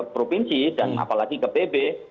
provinsi dan apalagi ke pb